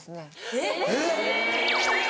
えっ？